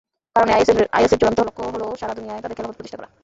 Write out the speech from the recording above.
কারণ আইএসের চূড়ান্ত লক্ষ্য হলো সারা দুনিয়ায় তাঁদের খিলাফত প্রতিষ্ঠা করা।